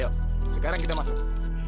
ayo sekarang kita masuk